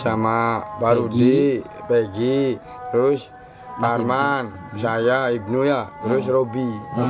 sama pak rudi pegi terus arman saya ibnu ya terus robi